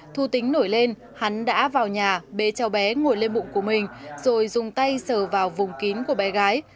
thu tính nổi lên hắn đã vào nhà bế cháu bé ngồi lên bụng của mình rồi dùng tay sờ vào vùng kín của bé gái